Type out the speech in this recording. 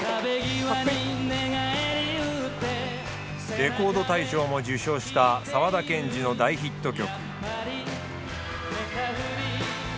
レコード大賞も受賞した沢田研二の大ヒット曲